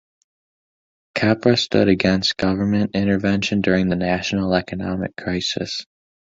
Capra stood against government intervention during the national economic crisis.